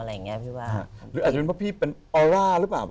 หรืออาจเป็นเพราะออร่าร์หรือเปล่า